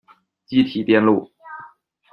积体电路